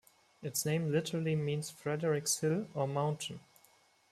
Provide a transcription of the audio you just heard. Its name literally means Frederik's hill or mountain.